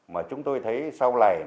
mà chúng tôi thấy sau này